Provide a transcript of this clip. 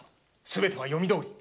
全ては読みどおり。